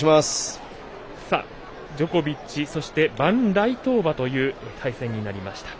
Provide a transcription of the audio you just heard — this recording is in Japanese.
ジョコビッチそしてバンライトーバという対戦になりました。